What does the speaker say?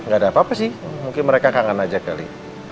gak ada apa apa sih mungkin mereka kangen aja kali